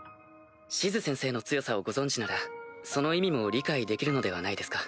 シズ先生の強さをご存じならその意味も理解できるのではないですか？